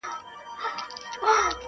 په دې ښار کي زه حاکم یمه سلطان یم,